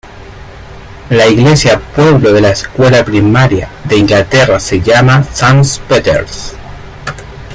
La Iglesia pueblo de la escuela primaria de Inglaterra se llama St.Peters.